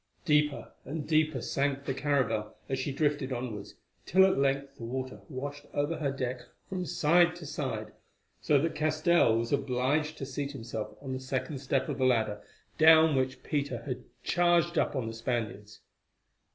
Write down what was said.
Deeper and deeper sank the caravel as she drifted onwards, till at length the water washed over her deck from side to side, so that Castell was obliged to seat himself on the second step of the ladder down which Peter had charged up on the Spaniards.